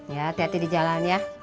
ya hati hati di jalan ya